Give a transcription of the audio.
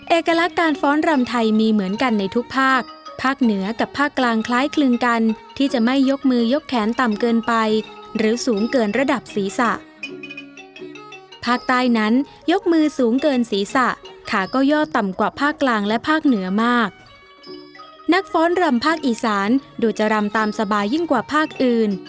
เอกลักษณ์การฟ้อนรำไทยมีเหมือนกันในทุกภาคภาคเหนือกับภาคกลางคล้ายคลึงกันที่จะไม่ยกมือยกแขนต่ำเกินไปหรือสูงเกินระดับศีรษะภาคใต้นั้นยกมือสูงเกินศีรษะขาก็ย่อต่ำกว่าภาคกลางและภาคเหนือมากนักฟ้อนรำภาคอีสานดูจะรำตามสบายยิ่งกว่าภาคอื่น